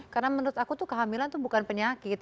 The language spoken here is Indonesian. karena menurut aku tuh kehamilan tuh bukan penyakit